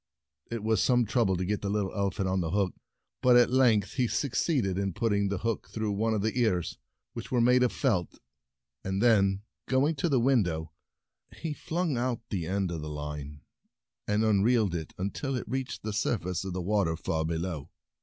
It was some trouble to get the little elephant on the hook, but at length he succeeded in putting the hook through one of the ears, which were made of felt ; and then, going to the An Ele phant 22 The Prince Waiting window, he flung out the end of the line, and unreeled it until it reached the surface of the water far below.